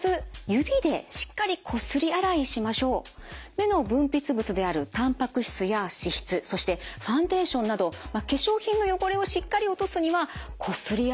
目の分泌物であるたんぱく質や脂質そしてファンデーションなど化粧品の汚れをしっかり落とすにはこすり洗いが必要なんですね。